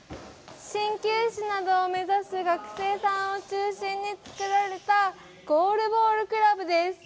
鍼灸師などを目指す学生さんを中心に作られたゴールボールクラブです。